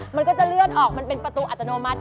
มันก็จะเลื่อนออกมันเป็นประตูอัตโนมัติ